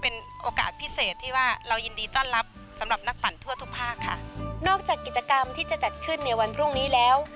นอกจากกิจกรรมที่จะจัดขึ้นในวันพรุ่งนี้แล้ว